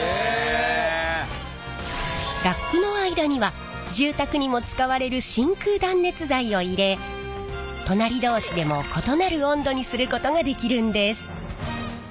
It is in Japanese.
ラックの間には住宅にも使われる真空断熱材を入れ隣同士でも異なる温度にすることができるんです。